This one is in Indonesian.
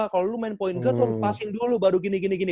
kalau lu main point guard lu harus passing dulu baru gini gini gini